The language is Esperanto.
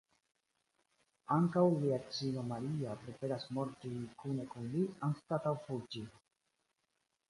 Ankaŭ lia edzino Maria preferas morti kune kun li anstataŭ fuĝi.